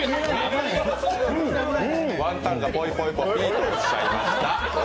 ワンタンがポイポイポイとおっしゃいました。